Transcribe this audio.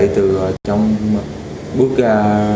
trong bước ra